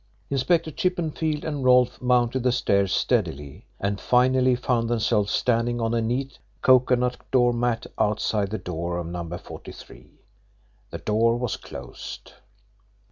Inspector Chippenfield and Rolfe mounted the stairs steadily, and finally found themselves standing on a neat cocoanut door mat outside the door of No. 43. The door was closed.